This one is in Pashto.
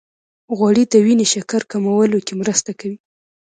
غوړې د وینې شکر کمولو کې مرسته کوي.